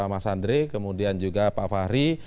mas andre kemudian juga pak fahri